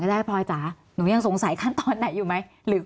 คือมันไม่สงสัยอะไรเลย